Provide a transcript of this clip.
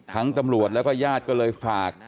ทั้งจำรวจและงก็ชาติก็จะฝาก